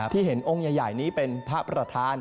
ที่เห็นองค์ใหญ่นี้เป็นพระประธาน